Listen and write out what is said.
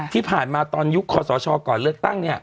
ที่ผ่านมาตอนยุคคอสชก่อนเลือกตั้งเนี่ย